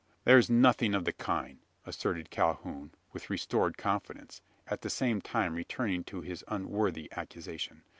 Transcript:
"There's nothing of the kind," asserted Calhoun, with restored confidence, at the same time returning to his unworthy accusation.